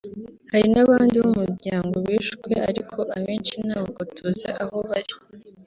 hari n’abandi bo mu muryango bishwe ariko abenshi ntabwo tuzi aho bari